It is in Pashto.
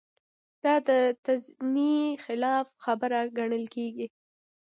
دا د تنزیې خلاف خبره ګڼل کېږي.